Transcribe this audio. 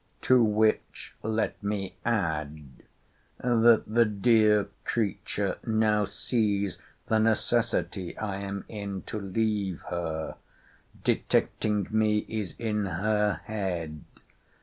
To which let me add, that the dear creature now sees the necessity I am in to leave her. Detecting me is in her head.